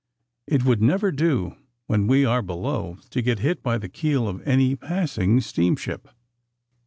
It would never do, when we are below, to get hit by the keel of any passing steamship."